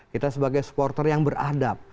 kita sebagai supporter yang beradab